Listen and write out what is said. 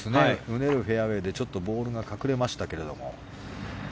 うねるフェアウェーでちょっとボールが隠れましたが。